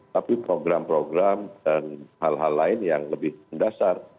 tapi program program dan hal hal lain yang lebih mendasar